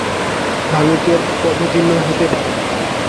ভালুকের পদচিহ্ন হতে পারে।